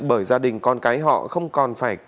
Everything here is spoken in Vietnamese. bởi gia đình con cái họ không còn phải